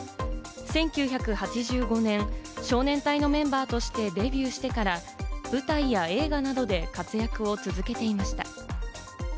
１９８５年、少年隊のメンバーとしてデビューしてから、舞台や映画などで活躍を続けていました。